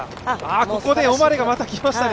ここでオマレがまたきましたね。